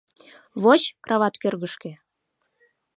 Воч крават кӧргышкӧ.